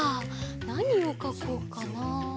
なにをかこうかな。